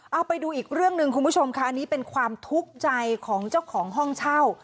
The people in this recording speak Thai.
เอาไปดูอีกเรื่องหนึ่งคุณผู้ชมค่ะอันนี้เป็นความทุกข์ใจของเจ้าของห้องเช่า